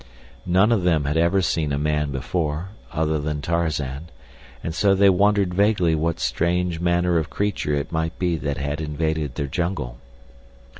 None of them had ever seen a man before, other than Tarzan, and so they wondered vaguely what strange manner of creature it might be that had invaded their jungle.